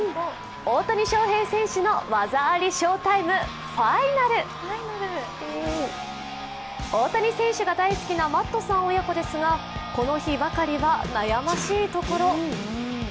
大谷翔平選手の「技ありＳＨＯ−ＴＩＭＥ」ファイナル！大谷選手が大好きなマットさん親子ですが、この日ばかりは悩ましいところ。